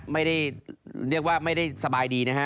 ไม่ได้ต้องสบายดี